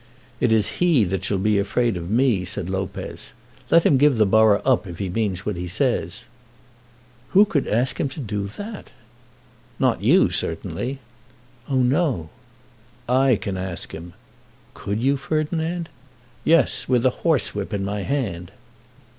"It is he that shall be afraid of me," said Lopez. "Let him give the borough up if he means what he says." "Who could ask him to do that?" "Not you, certainly." "Oh, no." "I can ask him." "Could you, Ferdinand?" "Yes; with a horsewhip in my hand."